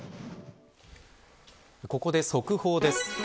ここで速報です。